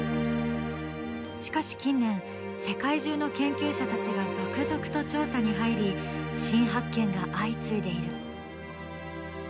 しかし近年世界中の研究者たちが続々と調査に入り新発見が相次いでいる。